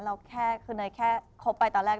แค่คือเนยแค่คบไปตอนแรก